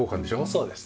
そうですね。